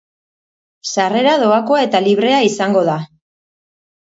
Sarrera doakoa eta librea izango da.